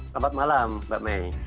selamat malam mbak may